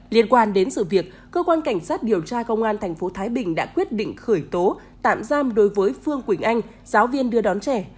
liên quan đến sự việc cơ quan cảnh sát điều tra công an tp thái bình đã quyết định khởi tố tạm giam đối với phương quỳnh anh giáo viên đưa đón trẻ